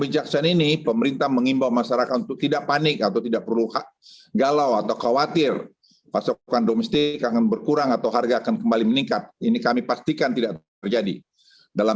jangan lupa like share dan subscribe ya